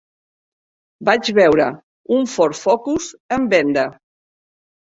Vaig veure un Ford Focus en venda.